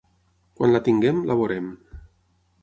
Quan la tinguem, la veurem